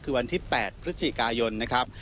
คือวันที่๘พฤศจิกายนนะครับ